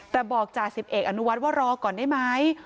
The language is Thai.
แต่บอกจ่าสิบเอกอนุวัฒน์ว่ารอก่อนได้ไหม